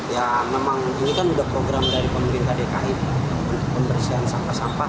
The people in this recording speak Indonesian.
ya memang ini kan udah program dari pemimpin dki untuk membersihkan sampah sampah